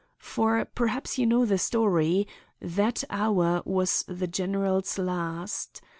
For—perhaps you know the story—that hour was the general's last.